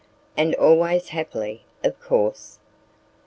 "And always happily, of course."